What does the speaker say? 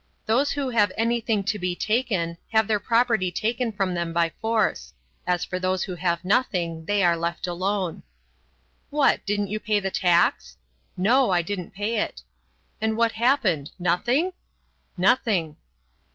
Those who have anything to be taken have their property taken from them by force; as for those who have nothing, they are left alone. "What, didn't you pay the tax?" "No, I didn't pay it." "And what happened nothing?" "Nothing."